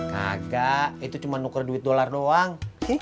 kagak itu cuma nuker duit dolar doang